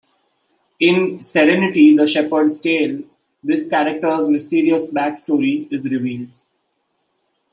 In "Serenity: The Shepherd's Tale", this character's mysterious backstory is revealed.